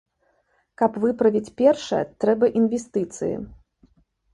Каб выправіць першае, трэба інвестыцыі.